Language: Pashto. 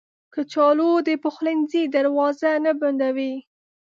کچالو د پخلنځي دروازه نه بندوي